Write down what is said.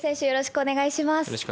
よろしくお願いします。